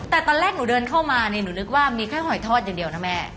แต่ตอนแรกหนูเดินเข้ามานี่หนูนึกว่ามีแค่หอยทอดอย่างเดียวนะแม่